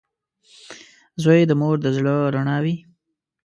• زوی د مور د زړۀ رڼا وي.